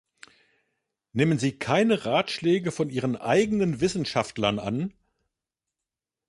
Nehmen sie keine Ratschläge von ihren eigenen Wissenschaftlern an?